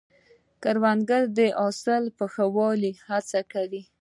کروندګر د حاصل په ښه والي هڅې کوي